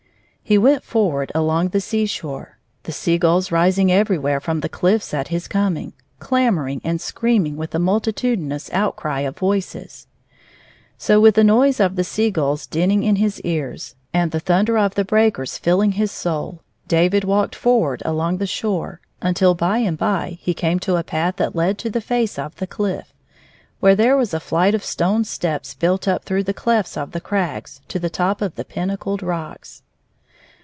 He went forward along the seashore, the sea gulls rising everywhere from the cliffs at his com ing, clamoring and screaming with a multitudi nous outcry of voices. So vdth the noise of the sea gulls dinning in his ears, and the thunder of the breakers filling his soul; David walked for ward along the shore until, by and by, he came to a path that led to the face of the cliff, where there was a flight of stone steps built up through the clefts of the crags to the top of the pinnacled rocks.